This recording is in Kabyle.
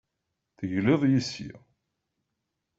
Tegliḍ yes-i.